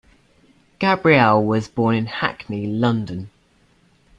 Gabrielle was born in Hackney, London.